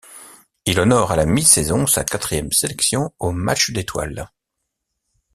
Il honore à la mi-saison sa quatrième sélection au match d'étoiles.